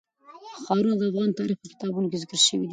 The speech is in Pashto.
ښارونه د افغان تاریخ په کتابونو کې ذکر شوی دي.